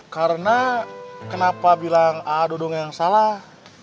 karena kenapa bilang a'a dudung yang salah